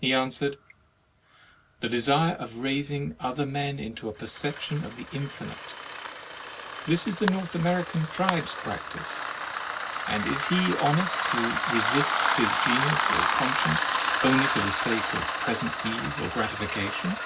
He answered: "The desire of raising other men into a perception of the infinite. This the North Ameri can tribes practise. And is he honest who resists his genius or conscience, only for the sake of present ease or gratification?"